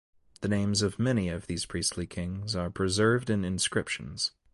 The names of many of these priestly kings are preserved in inscriptions.